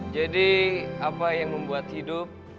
jadi apa yang membuat hidup